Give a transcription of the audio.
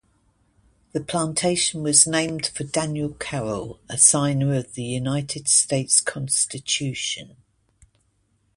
The plantation was named for Daniel Carroll, a signer of the United States Constitution.